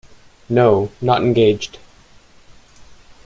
No, not engaged.